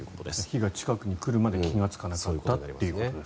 火が近くに来るまで気がつかなかったということですね。